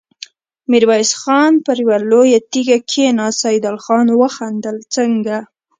ميرويس خان پر يوه لويه تيږه کېناست، سيدال خان وخندل: څنګه!